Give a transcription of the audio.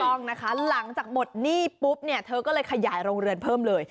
ต้องนะคะหลังจากหมดหนี้ปุ๊บเนี่ยเธอก็เลยขยายโรงเรือนเพิ่มเลย